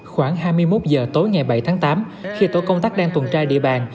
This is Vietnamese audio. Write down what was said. khoảng hai mươi một giờ tối ngày bảy tháng tám khi tổ công tác đang tuần trai địa bàn